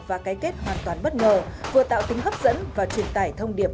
và cái kết hoàn toàn bất ngờ vừa tạo tính hấp dẫn và truyền tải thông điệp